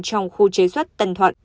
trong khu chế xuất tần thoạn